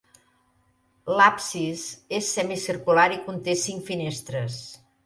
L'absis és semicircular i conté cinc finestres.